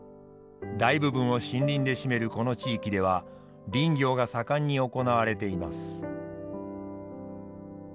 大部分を森林で占めるこの地域では林業が盛んに行われています。